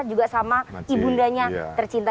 juga sama ibundanya tercinta